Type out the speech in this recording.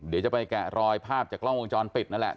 เดี๋ยวจะไปแกะรอยภาพจากกล้องวงจรปิดนั่นแหละ